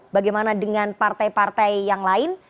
bagaimana dengan partai partai yang lain